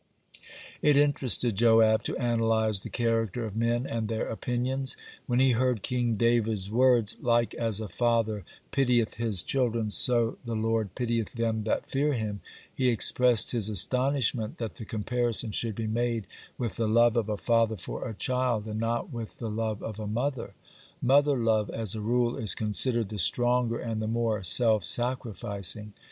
(76) It interested Joab to analyze the character of men and their opinions. When he heard King David's words: "Like as a father pitieth his children, so the Lord pitieth them that fear him," he expressed his astonishment that the comparison should be made with the love of a father for a child, and not with the love of a mother; mother love as a rule is considered the stronger and the more self sacrificing.